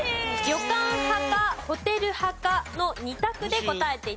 旅館派かホテル派かの２択で答えて頂いています。